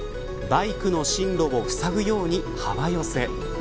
バイクの進路をふさぐように幅寄せ。